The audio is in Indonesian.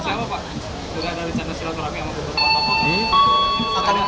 sudah ada rencana silaturahmi sama bukur pak